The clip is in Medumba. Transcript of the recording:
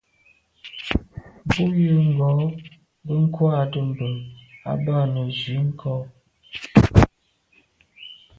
Bú jə́ ŋgɔ́ gə́ kwáàdə́ mbə̄ à bá nə̀ zwí ŋkɔ́.